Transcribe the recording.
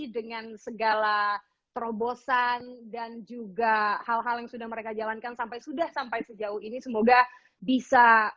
dengan segala terobosan dan juga hal hal yang sudah mereka jalankan sampai sudah sampai sejauh ini semoga bisa